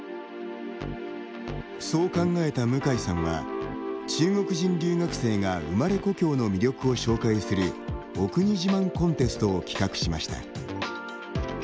そう考えた向井さんは中国人留学生が生まれ故郷の魅力を紹介するお国自慢コンテストを企画しました。